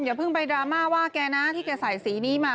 อย่าเพิ่งไปดราม่าว่าแกนะที่แกใส่สีนี้มา